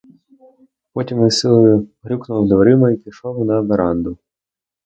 Потім із силою грюкнув дверима й пішов на веранду.